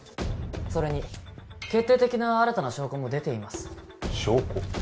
それに決定的な新たな証拠も出ています証拠？